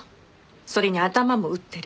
それに頭も打ってる。